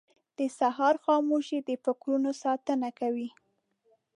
• د سهار خاموشي د فکرونو ساتنه کوي.